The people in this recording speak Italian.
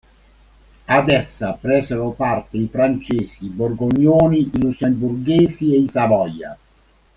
Ad essa presero parte i francesi, i borgognoni, i lussemburghesi e i Savoia.